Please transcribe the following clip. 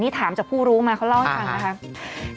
นี่ถามจากผู้รู้มาเขาเล่าให้ฟังนะครับ